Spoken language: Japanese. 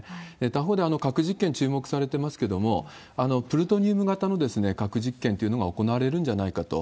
他方で核実験注目されてますけれども、プルトニウム型の核実験っていうのが行われるんじゃないかと。